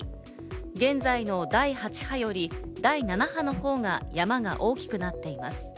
現在の第８波より第７波のほうが山が大きくなっています。